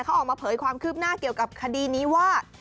เขาออกมาเผยความคืบหน้าเกี่ยวกับคดีนี้ว่า